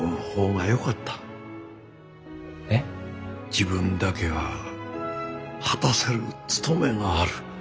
自分だけが果たせる務めがある。